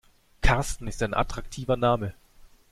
Karsten ist ein attraktiver Name.